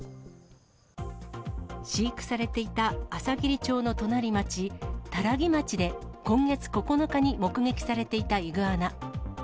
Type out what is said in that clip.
飼育されていたあさぎり町の隣町、多良木町で今月９日に目撃されていたイグアナ。